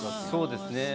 そうですね。